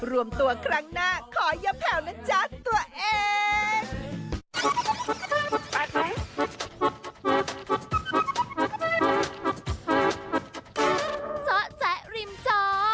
รวมตัวครั้งหน้าขออย่าแผ่วนะจ๊ะตัวเอง